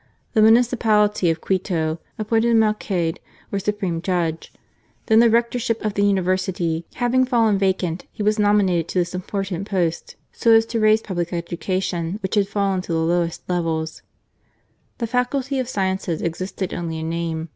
The Municipality of Quito appointed him Alcaide, or Supreme Judge ; then the Rectorship of the University having fallen vacant, he was nominated to this important post, so as to raise public education, which had fallen to the lowest level. The Faculty of Sciences existed only in name.